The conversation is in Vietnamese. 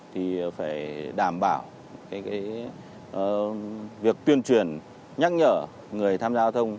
thì phải đảm bảo cái việc tuyên truyền nhắc nhở người tham gia giao thông